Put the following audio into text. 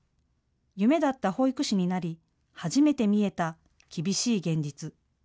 夢だった保育士になり初めて見えた厳しい現実。